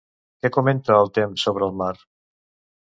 Què comenta el Temme sobre el mar?